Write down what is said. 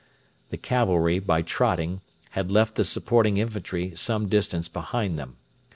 The cavalry, by trotting, had left the supporting infantry some distance behind them.